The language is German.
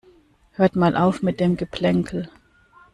Hört mal auf mit dem Geplänkel.